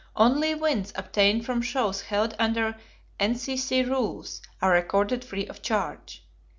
Only wins obtained from shows held under N.C.C. rules are recorded free of charge.